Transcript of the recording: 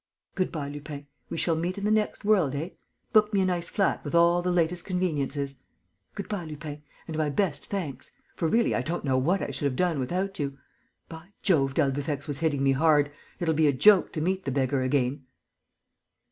Good bye, Lupin. We shall meet in the next world, eh? Book me a nice flat, with all the latest conveniences. "Good bye, Lupin. And my best thanks. For really I don't know what I should have done without you. By Jove, d'Albufex was hitting me hard! It'll be a joke to meet the beggar again!"